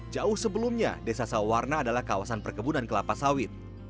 jauh sebelumnya desa sawarna adalah kawasan perkebunan kelapa sawit